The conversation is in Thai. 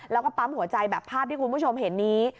แล้วก็ปั๊มหัวใจแบบภาพที่คุณผู้ชมเห็นนี้